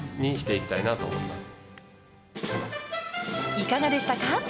いかがでしたか。